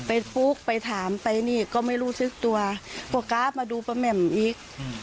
ปุ๊กไปถามไปนี่ก็ไม่รู้สึกตัวก็กราฟมาดูป้าแหม่มอีก